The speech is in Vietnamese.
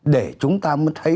để chúng ta mới thấy